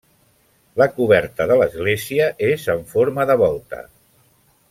La coberta de l'església és en forma de volta.